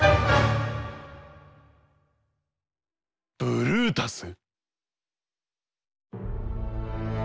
ブルータス！